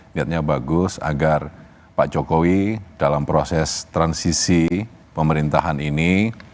niatnya bagus agar pak jokowi dalam proses transisi pemerintahan ini